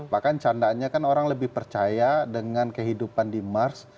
bahkan candanya kan orang lebih percaya dengan kehidupan di mars